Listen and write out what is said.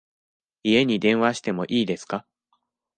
家に電話しても良いですか？